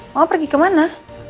mama pergi kemana